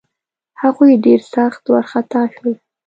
هغوی ډېر سخت وارخطا شول.